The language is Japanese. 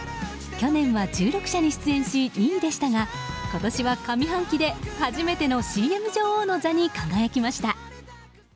去年は１６社に出演し２位でしたが今年は上半期で初めてのＣＭ女王の座に輝きました。